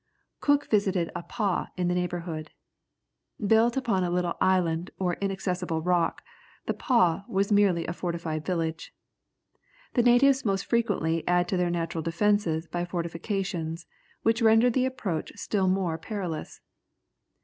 Cook visited a pah in the neighbourhood. Built upon a little island or inaccessible rock, the pah was merely a fortified village. The natives most frequently add to the natural defences by fortifications, which render the approach still more perilous.